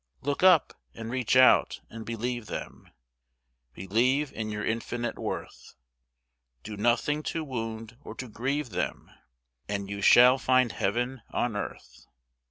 Look up, and reach out, and believe them Believe in your infinite worth. Do nothing to wound or to grieve them, And you shall find heaven on earth.